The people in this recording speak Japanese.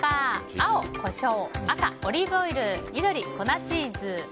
青、コショウ赤、オリーブオイル緑、粉チーズ。